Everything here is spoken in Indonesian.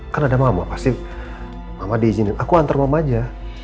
kan ada mama pasti mama diizinin aku antar mama aja